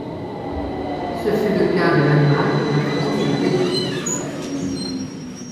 Ce fut le cas de l'Allemagne, la France et la Belgique.